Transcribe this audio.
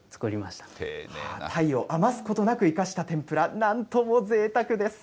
たいを余すことなく、生かした天ぷら、なんともぜいたくです。